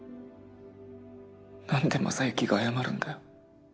なんで征行が謝るんだよ。